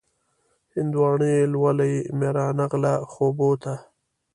هندواڼۍ لولۍ مې را نغله خوبو ته